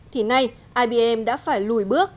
thì nay ibm đã phải lùi bước